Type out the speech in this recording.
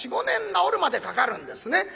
４５年治るまでかかるんですね。